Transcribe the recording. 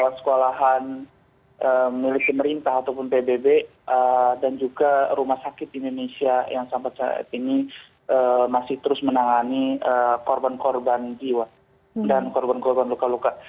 sekolahan milik pemerintah ataupun pbb dan juga rumah sakit di indonesia yang sampai saat ini masih terus menangani korban korban jiwa dan korban korban luka luka